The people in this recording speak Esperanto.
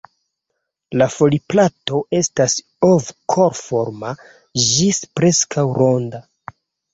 La foliplato estas ov-korforma ĝis preskaŭ ronda.